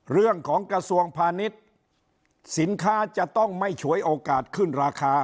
เรื่องของกระทรวงพาณิชย์สินค้าจะต้องไม่ฉวยโอกาสขึ้นราคา